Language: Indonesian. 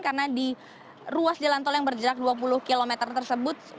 karena di ruas jalan tol yang berjelak dua puluh km tersebut